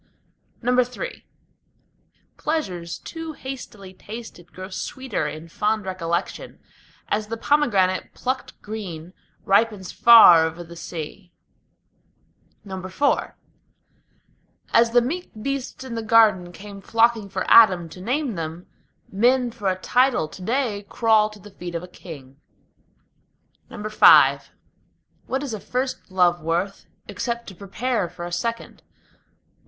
III Pleasures too hastily tasted grow sweeter in fond recollection, As the pomegranate plucked green ripens far over the sea. IV As the meek beasts in the Garden came flocking for Adam to name them, Men for a title to day crawl to the feet of a king. V What is a first love worth, except to prepare for a second?